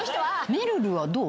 めるるはどう？